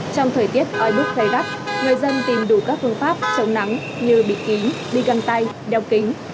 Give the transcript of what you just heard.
trong thời tiết oi bức gây gắt người dân tìm đủ các phương pháp chống nắng như bịt kín đi găng tay đeo kính